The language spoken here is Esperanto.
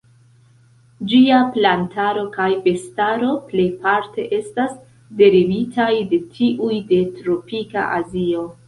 Ĝia plantaro kaj bestaro plejparte estas derivitaj de tiuj de tropika Azio.